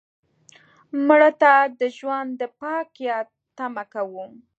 مړه ته د ژوند د پاک یاد تمه کوو